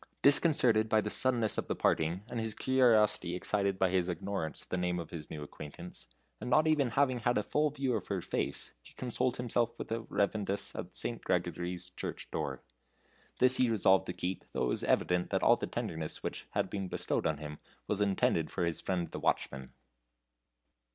Disconcerted by the suddenness of the parting, and his curiosity excited by his ignorance of the name of his new acquaintance, and not even having had a full view of her face, he consoled himself with the rendezvous at St. Gregory's Church door. This he resolved to keep, though it was evident that all the tenderness which had been bestowed on him was intended for his friend the watchman.